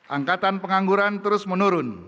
angkatan pengangguran terus menurun